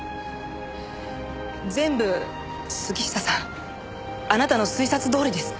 全部杉下さんあなたの推察どおりです。